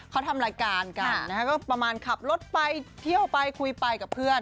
เขาทำรายการกันนะฮะก็ประมาณขับรถไปเที่ยวไปคุยไปกับเพื่อน